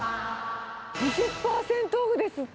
２０％オフですって。